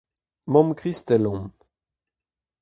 Mamm Kristell on.